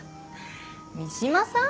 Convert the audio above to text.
三島さん？